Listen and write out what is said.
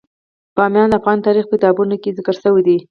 بامیان د افغان تاریخ په کتابونو کې ذکر شوی دي.